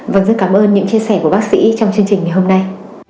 vâng rất cảm ơn những chia sẻ của bác sĩ trong chương trình ngày hôm nay